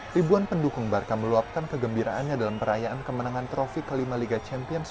ribuan pendukung barka meluapkan kegembiraannya dalam perayaan kemenangan trofi kelima liga champions